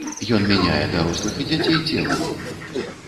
Ён мяняе дарослых і дзяцей целамі.